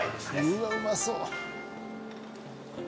「うわっうまそう！」